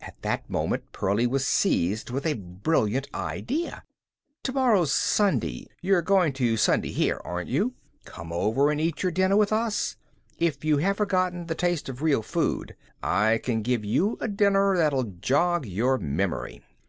At this moment Pearlie was seized with a brilliant idea. "To morrow's Sunday. You're going to Sunday here, aren't you? Come over and eat your dinner with us. If you have forgotten the taste of real food, I can give you a dinner that'll jog your memory."